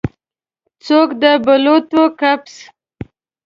څوک د بلوطو کپس